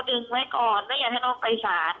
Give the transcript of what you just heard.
ดึงไว้ก่อนไม่อยากให้น้องไปสาร